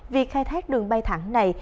việc khai thác đường bay thẳng này